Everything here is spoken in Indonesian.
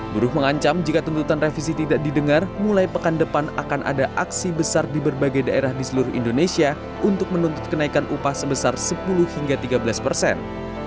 buruh mengancam jika tuntutan revisi tidak didengar mulai pekan depan akan ada aksi besar di berbagai daerah di seluruh indonesia untuk menuntut kenaikan upah sebesar sepuluh hingga tiga belas persen